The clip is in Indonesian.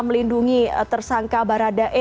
melindungi tersangka baradae